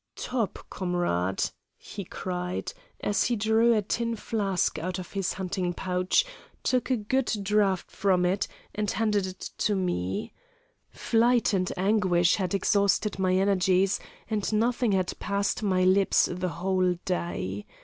"'Topp, comrade!' he cried, as he drew a tin flask out of his hunting pouch, took a good draught from it, and handed it to me. Flight and anguish had exhausted my energies, and nothing had passed my lips the whole day.